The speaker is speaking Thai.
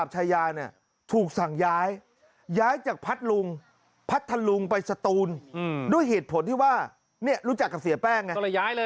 จากพัดลุงพัดทะลุงไปสตูนด้วยเหตุผลที่ว่าเนี่ยรู้จักกับเสียแป้งไง